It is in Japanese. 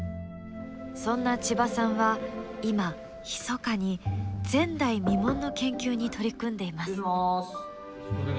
そんな千葉さんは今ひそかに前代未聞の研究に取り組んでいます。